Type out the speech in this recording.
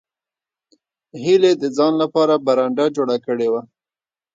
هیلې د ځان لپاره برنډه جوړه کړې وه